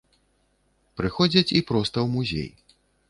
Прыходзяць і проста ў музей.